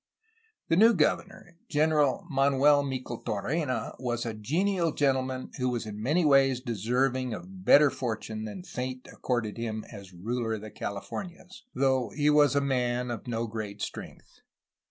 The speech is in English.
The new governor, General Manuel Micheltorena, was a genial gentleman who was in many ways deserving of belter fortune than fate accorded him as ruler of the Calif ornias, though a man of no great strength.